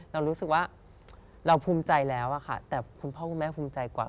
เรารู้สึกว่าเราภูมิใจแล้วค่ะแต่คุณพ่อคุณแม่ภูมิใจกว่า